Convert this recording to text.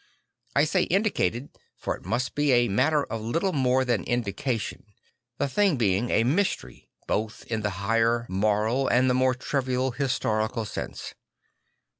I say indicated for it must be a ma tter of little more than indication; the thing being a mystery both in the higher moral and the more trivial historical sense.